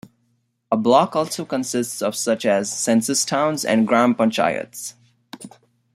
A block also consists of such as census towns and Gram panchayats.